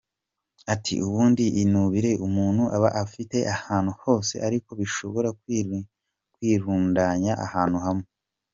Ati “Ubundi ibinure umuntu aba abifite ahantu hose ariko bishobora kwirundanya ahantu hamwe.